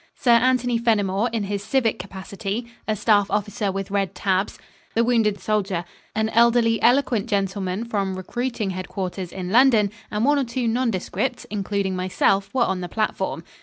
Sir Anthony Fenimore in his civic capacity, a staff officer with red tabs, a wounded soldier, an elderly, eloquent gentleman from recruiting headquarters in London, and one or two nondescripts, including myself, were on the platform.